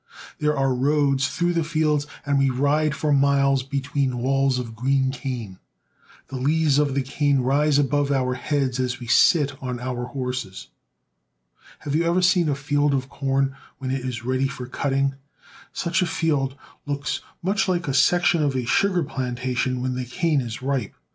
There are roads through the fields, and we ride for miles between walls of green cane. The leaves of the cane rise above our heads as we sit on our horses. Have you ever seen a field of corn when it is ready for cutting? Such a field looks much like a section of a sugar plantation when the cane is ripe.